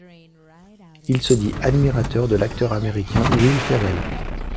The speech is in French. Il se dit admirateur de l'acteur américain Will Ferrell.